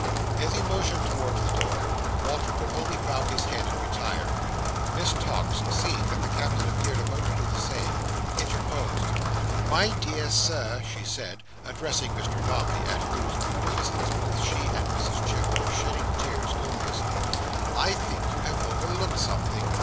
As he motioned towards the door, Walter could only bow his head and retire. Miss Tox, seeing that the Captain appeared about to do the same, interposed. "My dear Sir," she said, addressing Mr Dombey, at whose munificence both she and Mrs Chick were shedding tears copiously; "I think you have overlooked something.